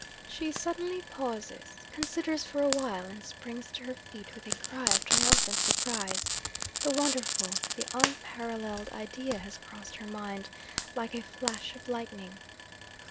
'She suddenly pauses considers for a while and springs to her feet, with a cry of triumphant surprise: the wonderful, the unparalleled idea has crossed her mind like a flash of lightning.